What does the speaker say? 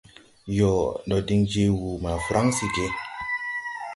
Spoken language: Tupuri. Yoo, ndo diŋ je wuu ma Fransi ge !